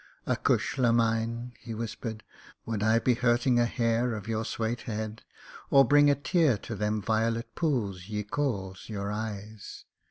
"Acushla mine," he whispered, "would I be hurting a hair 'of your swate head, or bringing a tear to them violet pools ye calls your eyes?